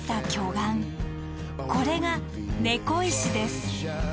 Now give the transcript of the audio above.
これが猫石です。